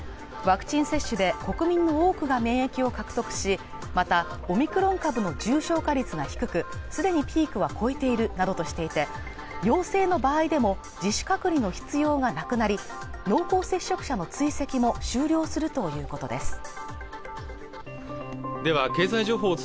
ワクチン接種で国民の多くが免疫を獲得しまたオミクロン株の重症化率が低くすでにピークは超えているなどとしていて陽性の場合でも自主隔離の必要がなくなり濃厚接触者の追跡も終了するということです